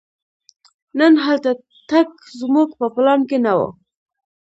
نن هلته تګ زموږ په پلان کې نه و.